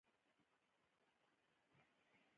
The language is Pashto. اکبر جان په رمازه کې پوهوه چې پسه حلال شوی.